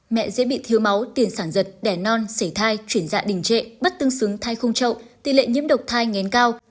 mẹ dễ bị thiếu máu tiền sản dật đẻ non sể thai chuyển dạ đình trệ bất tương xứng thai không trậu tỷ lệ nhiễm độc thai ngén cao